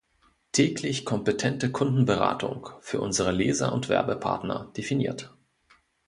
Täglich kompetente Kundenberatung, für unsere Leser und Werbepartner“ definiert.